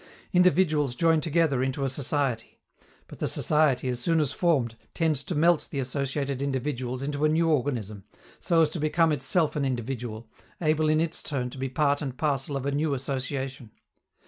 Individuals join together into a society; but the society, as soon as formed, tends to melt the associated individuals into a new organism, so as to become itself an individual, able in its turn to be part and parcel of a new association.